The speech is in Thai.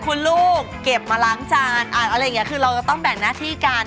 คุณลูกเก็บมาล้างจานอะไรอย่างนี้คือเราจะต้องแบ่งหน้าที่กัน